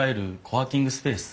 コワーキングスペース？